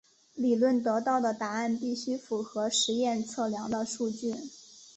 理论得到的答案必须符合实验测量的数据。